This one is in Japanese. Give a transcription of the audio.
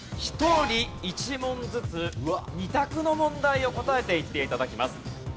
１人１問ずつ２択の問題を答えていって頂きます。